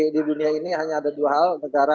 di dunia ini hanya ada dua hal negara